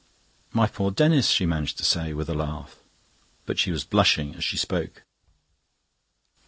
"My poor Denis," she managed to say, with a laugh; but she was blushing as she spoke.